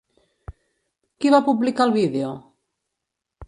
Qui va publicar el vídeo?